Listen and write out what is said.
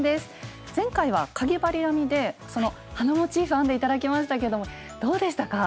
前回はかぎ針編みでその花モチーフ編んで頂きましたけどもどうでしたか？